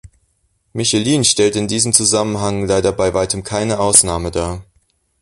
Michelin stellt in diesem Zusammenhang leider bei weitem keine Ausnahme dar.